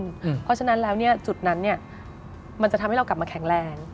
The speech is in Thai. เพราะฉะนั้นแล้วจุดนั้นมันจะทำให้เรากลับมาแข็งแรง